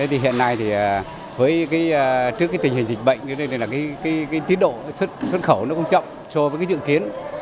hiện nay trước tình hình dịch bệnh tiến độ xuất khẩu cũng chậm so với dự kiến